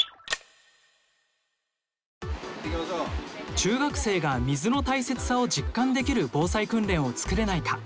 中学生が水の大切さを実感できる防災訓練を作れないか。